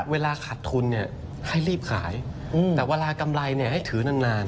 เวลาขาดทุนให้รีบขายแต่เวลากำไรให้ถือนาน